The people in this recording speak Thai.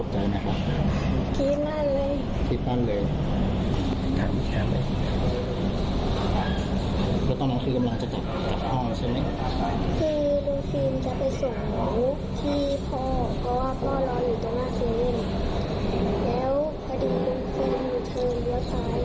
มันคืออะไรรุ่นที่จะถูกเห็น